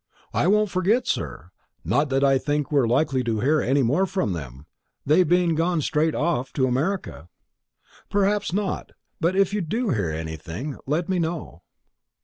"I won't forget, sir; not that I think we're likely to hear any more of them, they being gone straight off to America." "Perhaps not. But if you do hear anything, let me know."